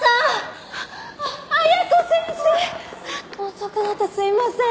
遅くなってすみません。